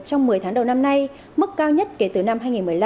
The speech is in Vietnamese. trong một mươi tháng đầu năm nay mức cao nhất kể từ năm hai nghìn một mươi năm